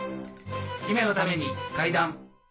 姫のために階段。